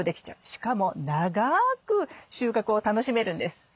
しかも長く収穫を楽しめるんです。